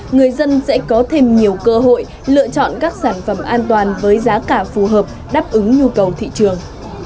người dân sẽ có thêm nhiều cơ hội lựa chọn các sản phẩm an toàn với giá cả phù hợp đáp ứng nhu cầu thị trường